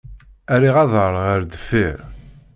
Rriɣ aḍar ɣer deffir.